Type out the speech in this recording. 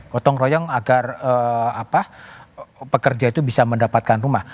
gotong royong agar pekerja itu bisa mendapatkan rumah